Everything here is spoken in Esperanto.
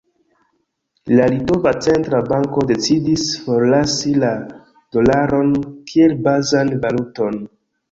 La litova centra banko decidis forlasi la dolaron kiel bazan valuton.